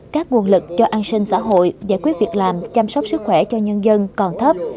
các nguồn lực cho an sinh xã hội giải quyết việc làm chăm sóc sức khỏe cho nhân dân còn thấp